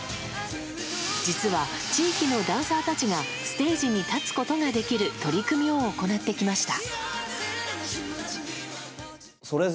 実は、地域のダンサーたちがステージに立つことができる取り組みを行ってきました。